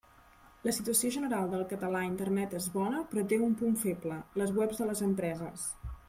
La situació general del català a Internet és bona però té un punt feble, les webs de les empreses.